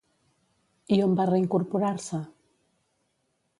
I on va reincorporar-se?